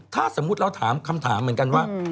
ถ้าสมมุติเราถามคำถามเหมือนกันว่า